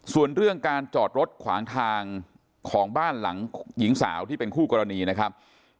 ส่วนเรื่องการจอดรถขวางทางของบ้านหลังหญิงสาวที่เป็นคู่กรณีนะครับ